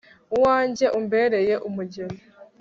uwanjye umbereye umugeni